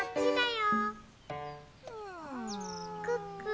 クックー。